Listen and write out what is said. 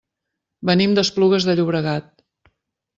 Venim d'Esplugues de Llobregat.